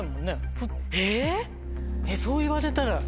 そう言われたら。